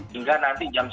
hingga nanti jam sebelas